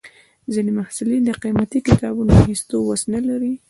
ځینې محصلین د قیمتي کتابونو اخیستو وس نه لري.